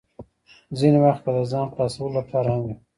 ځینې وخت به د ځان خلاصولو لپاره هم وې.